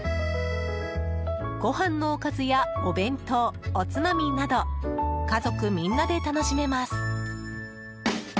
ご飯のおかずやお弁当、おつまみなど家族みんなで楽しめます。